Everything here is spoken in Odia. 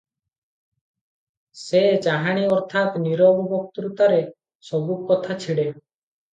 ସେ ଚାହାଣୀ ଅର୍ଥାତ୍ ନୀରବ ବକ୍ତୃତାରେ ସବୁ କଥା ଛିଡ଼େ ।